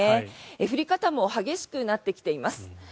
降り方も激しくなってきています。